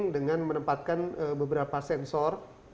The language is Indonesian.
dengan menempatkan beberapa sensor